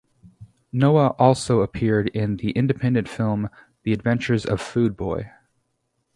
Noah also appeared in the independent film "The Adventures of Food Boy".